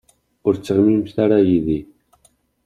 Ur ttɣimimt ara yid-i.